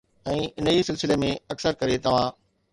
۽ انهي سلسلي ۾، اڪثر ڪري توهان